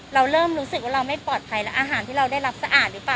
เราเริ่มรู้สึกว่าเราไม่ปลอดภัยแล้วอาหารที่เราได้รับสะอาดหรือเปล่า